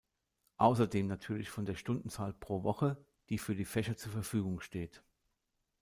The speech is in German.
Außerdem natürlich von der Stundenzahl pro Woche, die für die Fächer zur Verfügung steht.